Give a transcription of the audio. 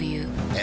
え⁉